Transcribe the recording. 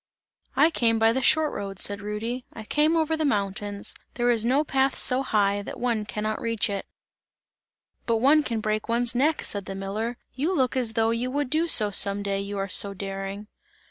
"I came by the short road," said Rudy, "I came over the mountains; there is no path so high, that one can not reach it!" "But one can break one's neck," said the miller, "you look as though you would do so some day, you are so daring!"